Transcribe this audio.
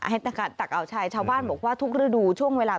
ให้ตักเอาใช่ชาวบ้านบอกว่าทุกฤดูช่วงเวลา